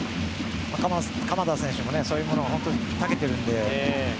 鎌田選手もそういうものに長けているので。